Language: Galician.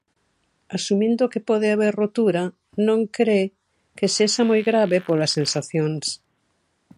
Asumindo que pode haber rotura, non cre que sexa moi grave polas sensacións.